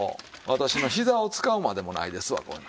私のひざを使うまでもないですわこんなん。